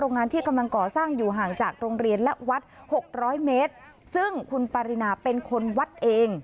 งานที่กำลังก่อสร้างอยู่ห่างจากโรงเรียนและวัดหกร้อยเมตรซึ่งคุณปารินาเป็นคนวัดเอง